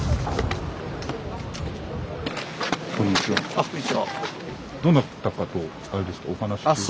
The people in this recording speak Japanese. あっこんにちは。